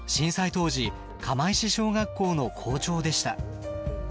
当時釜石小学校の校長でした。